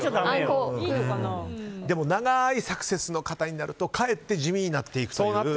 でも長いサクセスの方になるとかえって地味になっていくという。